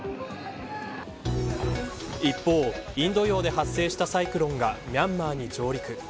一方、インド洋で発生したサイクロンがミャンマーに上陸。